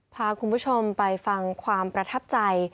พาคุณผู้ชมไปฟังความประทับใจ